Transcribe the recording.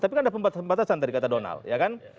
tapi kan ada pembatasan pembatasan tadi kata donald